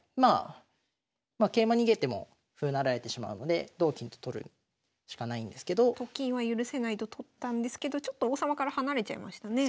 まあ桂馬逃げても歩成られてしまうので同金と取るしかないんですけど。と金は許せないと取ったんですけどちょっと王様から離れちゃいましたね。